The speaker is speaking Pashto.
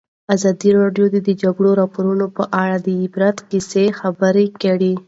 ازادي راډیو د د جګړې راپورونه په اړه د عبرت کیسې خبر کړي.